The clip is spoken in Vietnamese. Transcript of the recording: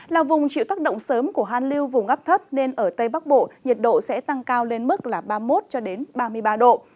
là vùng chịu tác động sớm của han lưu vùng ấp thấp nên ở tây bắc bộ nhiệt độ sẽ tăng cao lên mức là ba mươi một ba mươi ba độ